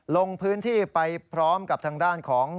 ลงพื้นที่ไปพร้อมกับทางด้านของ